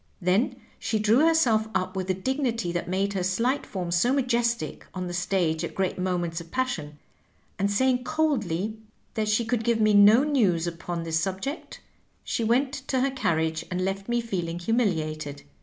Then she drew herself up with the dignity that made her slight form so majestic on the stage at great moments of passion, and saying coldly that she could give me no news upon this subject, she went to her carriage, and left me feeling humiliated.